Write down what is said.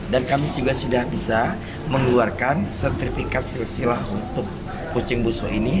dan kami juga sudah bisa mengeluarkan sertifikat silsilah untuk kucing busok ini